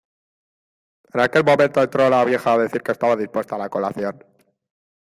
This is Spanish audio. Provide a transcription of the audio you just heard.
en aquel momento entró la vieja a decir que estaba dispuesta la colación.